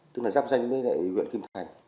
tức là giáp danh với huyện kim thành